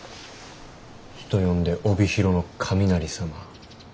人呼んで帯広の雷様。